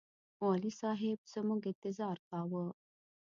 والي صاحب زموږ انتظار کاوه.